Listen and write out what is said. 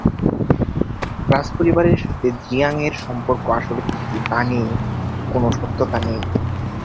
রাজপরিবারের সাথে জিয়াং এর সম্পর্ক আসলে কী তা নিয়ে কোনও সত্যতা নেই।